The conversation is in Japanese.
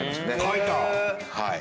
書いた！